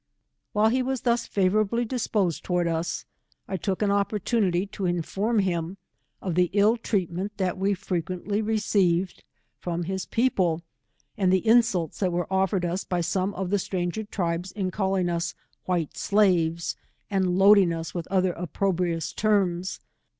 While he was tha?j favourably disposed towards 146 us, I took aa cpportunity to inform him of the ill treatment that we frequently received from his people, and the insults that were offered us by some of the stranger tribes in calling us white slaves, and loading us with other opprobrious terms.